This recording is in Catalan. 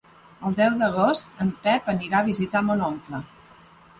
El deu d'agost en Pep anirà a visitar mon oncle.